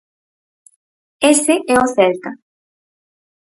Ese é o Celta.